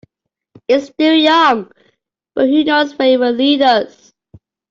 It's still young, but who knows where it will lead us.